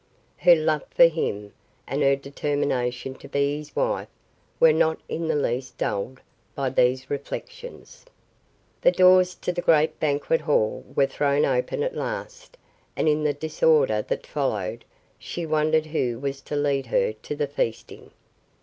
Her love for him and her determination to be his wife were not in the least dulled by these reflections. The doors to the great banquet hall were thrown open at last and in the disorder that followed she wondered who was to lead her to the feasting.